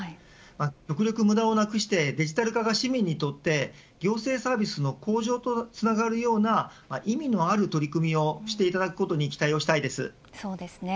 極力無駄をなくしてデジタル化が市民にとって行政サービスの向上につながるような意味のある取り組むをしていただくことに期待したいです。